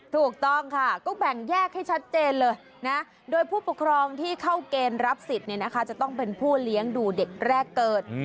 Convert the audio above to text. ถูกต้องค่ะก็แบ่งแยกให้ชัดเจนเลยนะโดยผู้ปกครองที่เข้าเกณฑ์รับสิทธิ์จะต้องเป็นผู้เลี้ยงดูเด็กแรกเกิด